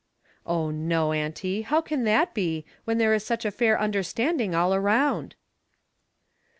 " Oh, no, Auntie. How can that be, when there is such a fair understanding all around?